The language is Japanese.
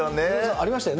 ありましたよね？